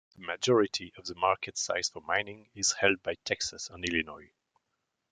The majority of the market size for mining is held by Texas and Illinois.